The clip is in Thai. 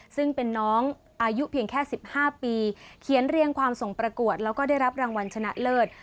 ซึ่งเป็นน้องอายุเพียงแค่๑๕ปีเขียนเรียงความส่งประกวดแล้วก็ได้รับรางวัลชนะเลิศ